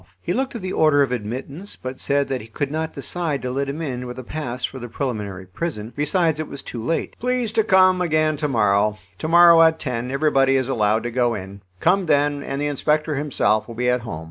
He looked at the order of admittance, but said that he could not decide to let him in with a pass for the preliminary prison. Besides, it was too late. "Please to come again to morrow. To morrow, at 10, everybody is allowed to go in. Come then, and the inspector himself will be at home.